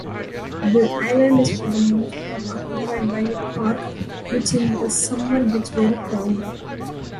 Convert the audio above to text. The island is for the most part occupied by a park which in the summer gets very crowded.